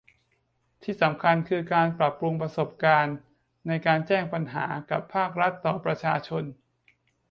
ที่สำคัญคือ การปรับปรุงประสบการณ์ในการแจ้งปัญหากับภาครัฐต่อประชาชน